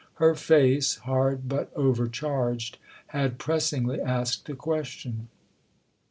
Her face, hard but overcharged, had pressingly asked a question.